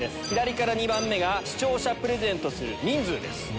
左から２番目が視聴者プレゼントする人数です。